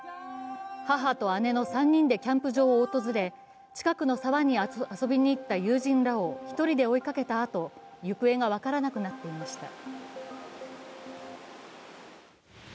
母と姉の３人でキャンプ場を訪れ近くの沢に遊びに行った友人らを１人で追いかけたあと、行方が分からなくなっていました。